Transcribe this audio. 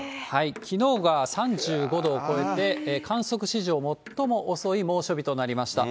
きのうが３５度を超えて観測史上最も遅い猛暑日となりました。